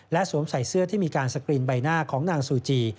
สวมใส่เสื้อที่มีการสกรีนใบหน้าของนางซูจี